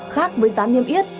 khác với giá niêm yết